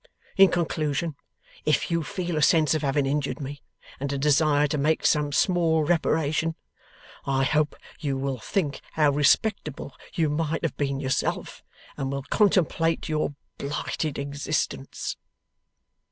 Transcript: In conclusion, if you feel a sense of having injured me, and a desire to make some small reparation, I hope you will think how respectable you might have been yourself and will contemplate your blighted existence.